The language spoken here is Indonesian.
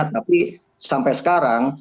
tapi sampai sekarang